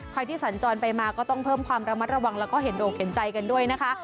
ใครที่สัญจรไปมาก็ต้องเพิ่มความระมัดระวังแล้วก็เห็นอกเห็นใจกันด้วยนะคะ